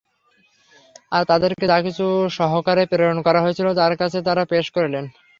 আর তাদেরকে যা কিছু সহকারে প্রেরণ করা হয়েছিল তার কাছে তাঁরা তা পেশ করলেন।